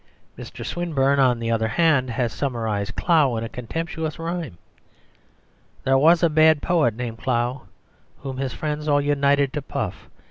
Mr. Swinburne, on the other hand, has summarised Clough in a contemptuous rhyme: "There was a bad poet named Clough, Whom his friends all united to puff.